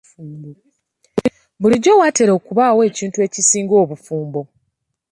Bulijjo watera okubaawo ekintu ekisinga obufumbo.